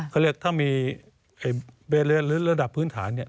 เขาเรียกถ้ามีระดับพื้นฐานเนี่ย